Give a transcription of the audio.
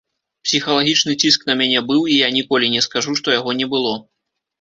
Псіхалагічны ціск на мяне быў і я ніколі не скажу, што яго не было.